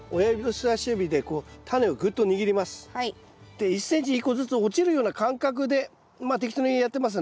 で１ｃｍに１個ずつ落ちるような感覚でまあ適当にやってますね。